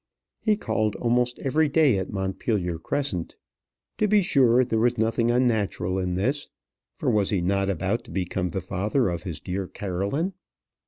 He called almost every day at Montpellier Crescent. To be sure, there was nothing unnatural in this, for was he not about to become the father of his dear Caroline?